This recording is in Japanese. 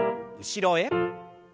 後ろへ。